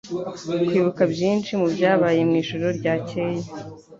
kwibuka byinshi mubyabaye mwijoro ryakeye